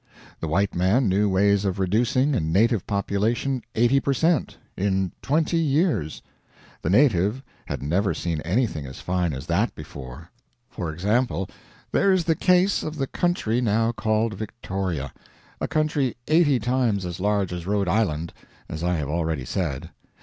The white man knew ways of reducing a native population 80 percent. in 20 years. The native had never seen anything as fine as that before. For example, there is the case of the country now called Victoria a country eighty times as large as Rhode Island, as I have already said.